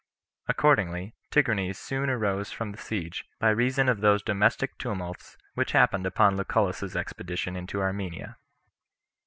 Accordingly, Tigranes soon arose from the siege, by reason of those domestic tumults which happened upon Lucullus's expedition into Armenia.